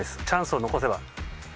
チャンスを残せば。